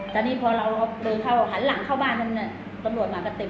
ตอนนี้พอเราเดินเข้าหันหลังเข้าบ้านมันตำรวจมาก็เต็ม